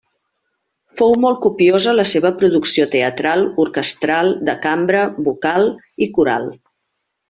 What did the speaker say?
Fou molt copiosa la seva producció teatral, orquestral, de cambra, vocal i coral.